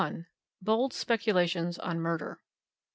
Bold Speculations on Murder.